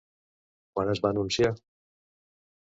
Quan es va anunciar?